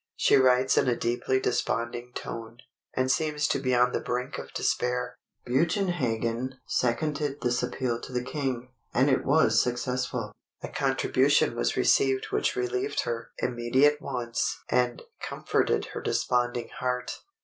She writes in a deeply desponding tone, and seems to be on the brink of despair. Bugenhagen seconded this appeal to the King, and it was successful; a contribution was received which relieved her immediate wants and comforted her desponding heart.